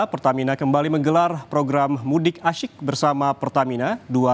pertamina kembali menggelar program mudik asyik bersama pertamina dua ribu dua puluh